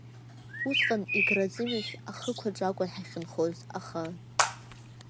Усҟан Егры аӡымҩас ахықәаҿы акәын ҳахьынхоз, аха…